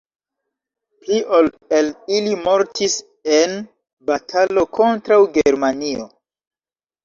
Pli ol el ili mortis en batalo kontraŭ Germanio.